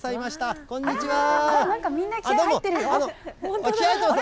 みんな気合い入ってるよ。